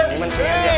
diman sini aja